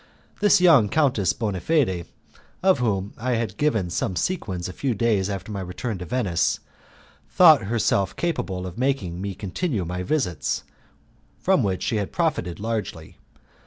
This young Countess Bonafede, to whom I had given some sequins a few days after my return to Venice, thought herself capable of making me continue my visits, from which she had profited largely.